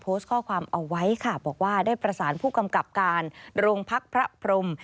โพสต์ข้อความเอาไว้ค่ะบอกว่าได้ประสานผู้กำกับการโรงพักพระพรม